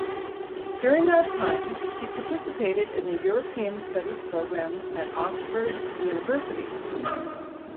During that time she participated in the European Studies program at Oxford University.